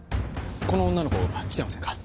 この女の子来てませんか？